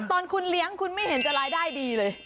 ตอนคุณเลี้ยงคุณไม่เห็นจะรายได้ดีเลย